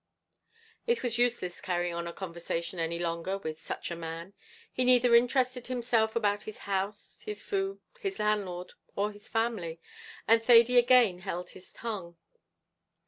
It was useless carrying on a conversation any longer with such a man. He neither interested himself about his house, his food, his landlord, or his family, and Thady again held his tongue.